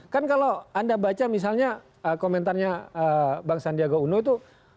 kan kalau anda baca misalnya komentarnya bang sandiaga uno itu